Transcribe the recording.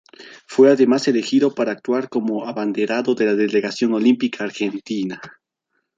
Fue además elegido para actuar como abanderado de la delegación olímpica argentina.